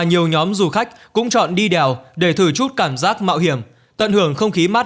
nhiều nhóm du khách cũng chọn đi đèo để thử chút cảm giác mạo hiểm tận hưởng không khí mát